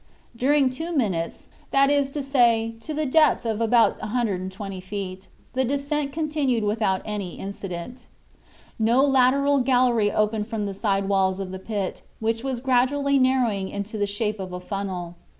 During two minutes—that is to say, to the depth of about 120 feet, the descent continued without any incident. No lateral gallery opened from the side walls of the pit, which was gradually narrowing into the shape of a funnel.